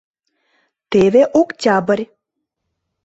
Теве октябрь.